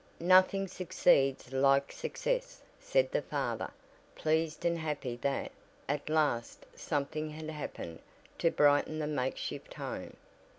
"Nothing succeeds like success," said the father, pleased and happy that, at last something had "happened" to brighten the make shift home.